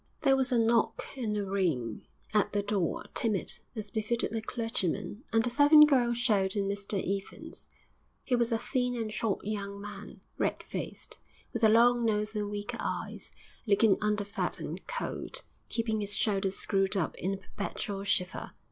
There was a knock and a ring at the door, timid, as befitted a clergyman; and the servant girl showed in Mr Evans. He was a thin and short young man, red faced, with a long nose and weak eyes, looking underfed and cold, keeping his shoulders screwed up in a perpetual shiver.